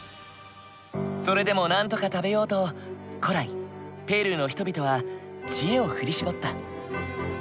それでもなんとか食べようと古来ペルーの人々は知恵を振り絞った。